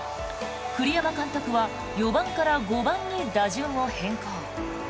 栗山監督は４番から５番に打順を変更。